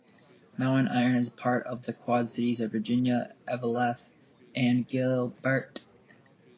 Mountain Iron is part of the Quad Cities of Virginia, Eveleth, and Gilbert.